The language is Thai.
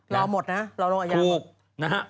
รอหมดนะรอลงอายาหมด